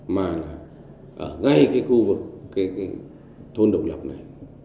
mà là ở ngay cái khu vực cái thôn độc lập này